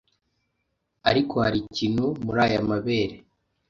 Ariko hari ikintu muri aya mabere,